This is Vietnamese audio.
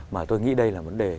mà tôi nghĩ đây là vấn đề